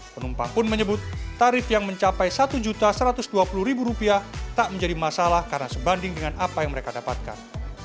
penumpang pun menyebut tarif yang mencapai rp satu satu ratus dua puluh tak menjadi masalah karena sebanding dengan apa yang mereka dapatkan